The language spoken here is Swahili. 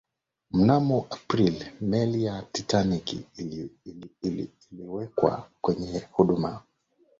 mnamo aprili meli ya titanic iliwekwa kwenye huduma